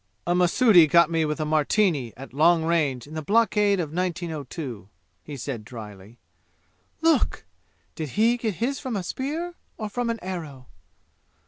"A Mahsudi got me with a martini at long range in the blockade of 1902," he said dryly. "Look! Did he get his from a spear or from an arrow?"